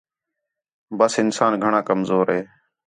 ٻس انسان گھݨاں کمزور ہِے